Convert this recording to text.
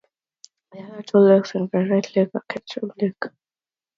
The other two lakes are Granite Lake and Ketchum Lake.